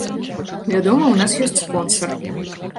Вядома, у нас ёсць спонсар.